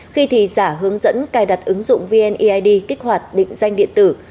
khi thì giả hướng dẫn cài đặt ứng dụng vneid kích hoạt định danh điện tử